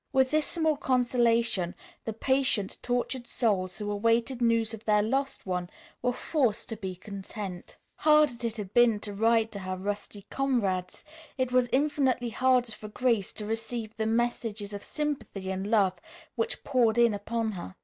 With this small consolation, the patient, tortured souls who awaited news of their lost one were forced to be content. Hard as it had been to write to her trusty comrades, it was infinitely harder for Grace to receive the messages of sympathy and love which poured in upon her.